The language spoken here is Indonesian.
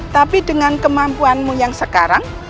tapi dengan kemampuanmu yang sekarang